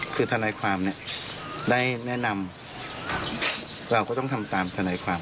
คือทนายความเนี่ยได้แนะนำเราก็ต้องทำตามทนายความ